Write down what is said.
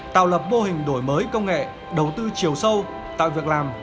tạo lập mô hình đổi mới công nghệ đầu tư chiều sâu tạo việc làm